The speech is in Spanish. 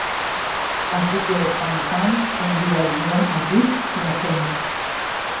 Así que Van Sant envía el guión a Reeves y Phoenix.